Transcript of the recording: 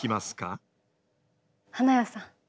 花屋さん。